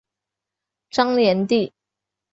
张联第。